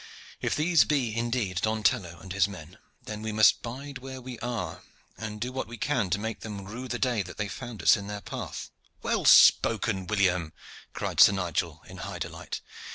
If these be indeed Don Tello and his men, then we must bide where we are, and do what we can to make them rue the day that they found us in their path." "Well spoken, William!" cried Sir Nigel, in high delight.